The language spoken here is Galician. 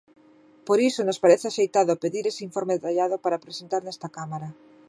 Por iso nos parece axeitado pedir ese informe detallado para presentar nesta Cámara.